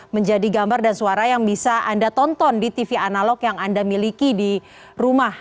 menjadi gambar dan suara yang bisa anda tonton di tv analog yang anda miliki di rumah